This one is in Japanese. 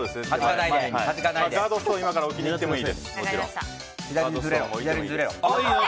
ガードストーンを今から置きにいってもいいです。